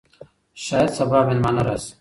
شاید سبا مېلمانه راشي.